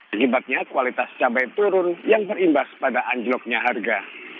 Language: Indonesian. akibatnya kualitas cabai turun yang berimbas pada anjloknya harga